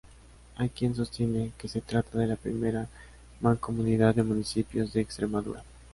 Hay quien sostiene que se trata de la primera mancomunidad de municipios de Extremadura.